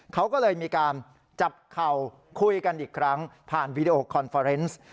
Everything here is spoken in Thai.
เขาก็เลยมีการจับเข่าคุยกันอีกครั้งผ่านวีดีโอคอนเฟอร์เนส